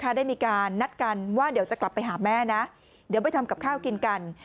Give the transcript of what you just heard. ได้มีการนัดกันว่าเดี๋ยวจะกลับไปหาแม่นะเดี๋ยวไปทำกับข้าวกินกัน